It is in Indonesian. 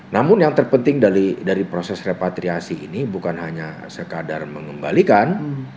namun yang terpenting dari proses repatriasi ini bukan hanya sekadar mengembalikan